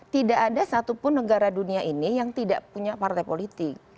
tidak ada satupun negara dunia ini yang tidak punya partai politik